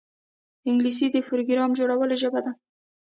انګلیسي د پروګرام جوړولو ژبه ده